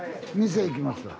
店行きますわ。